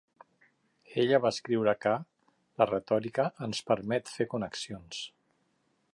Ella va escriure que... la retòrica ens permet fer connexions...